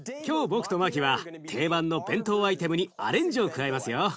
今日僕とマキは定番の弁当アイテムにアレンジを加えますよ。